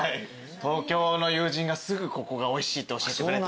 東京の友人がすぐここがおいしいって教えてくれて。